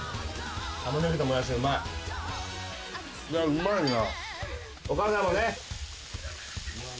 うまいな。